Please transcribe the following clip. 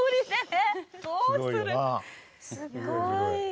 すごい。